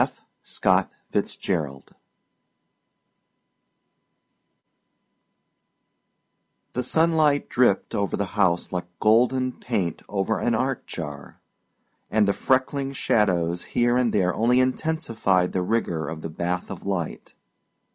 The Ice Palace The sunlight dripped over the house like golden paint over an art jar, and the freckling shadows here and there only intensified the rigor of the bath of light.